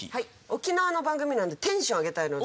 沖縄の番組なんでテンション上げたいので。